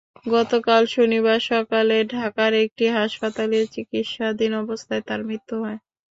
গতকাল শনিবার সকালে ঢাকার একটি হাসপাতালে চিকিৎসাধীন অবস্থায় তাঁর মৃত্যু হয়।